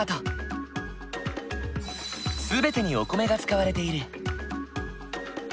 全てにお米が使われている。